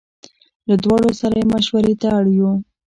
له دواړو سره یې مشوړې ته اړ یو.